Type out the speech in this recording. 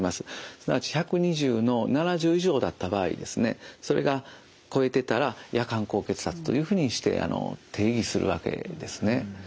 すなわち１２０の７０以上だった場合それが超えてたら夜間高血圧というふうにして定義するわけですね。